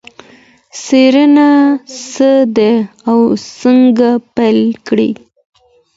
څېړنه څه ده او څنګه پیل کېږي؟